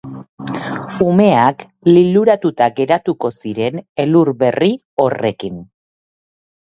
Umeak liluratuta geratuko ziren elur berri horrekin.